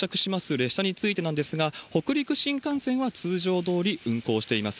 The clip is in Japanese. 列車についてなんですが、北陸新幹線は通常どおり運行しています。